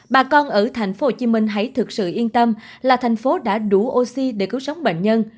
bà con ở tp hcm hãy thực sự yên tâm là thành phố đã đủ oxy để cứu sống bệnh nhân